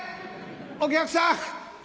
お客さん